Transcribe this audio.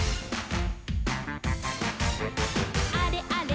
「あれあれ？